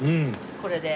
これで。